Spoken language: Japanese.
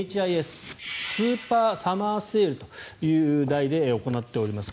Ｈ．Ｉ．Ｓ．はスーパーサマーセールという題で行っています。